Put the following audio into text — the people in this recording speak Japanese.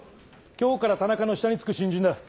今日から田中の下につく新人だ。